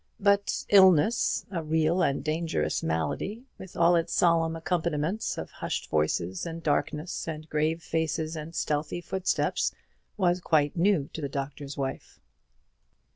But illness, a real and dangerous malady, with all its solemn accompaniments of hushed voices and darkness, and grave faces and stealthy footsteps, was quite new to the Doctor's Wife.